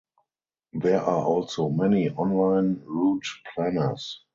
There are also many online route planners.